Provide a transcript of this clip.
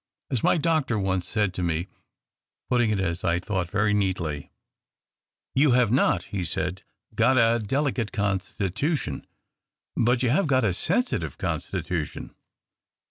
As my doctor once said to me, putting it as I thought very neatly, ' You THE OCTAVE OF CLAUDIUS. 243 have not,' he said, ' got a delicate constitution, but you have got a sensitive constitution.'